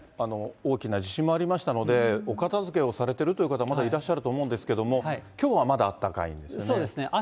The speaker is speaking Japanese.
大きな地震もありましたので、お片づけをされてるという方、まだいらっしゃると思うんですけれども、そうですね。